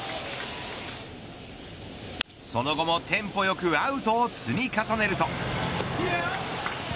その後もテンポよくアウトを積み重ねると。